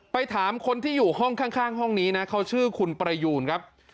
ไปถามคนที่อยู่ห้องข้างห้องนี้นะเขาชื่อคุณประยูนครับ